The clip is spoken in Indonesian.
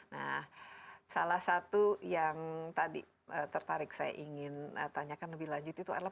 nah salah satu yang tadi tertarik saya ingin tanyakan lebih lanjut itu adalah